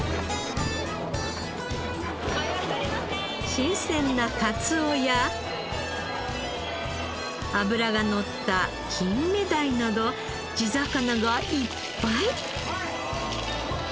新鮮なカツオや脂がのったキンメダイなど地魚がいっぱい！